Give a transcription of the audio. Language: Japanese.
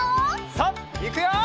さあいくよ！